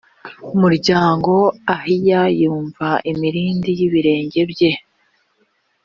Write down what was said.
muryango ahiya yumva imirindi y ibirenge bye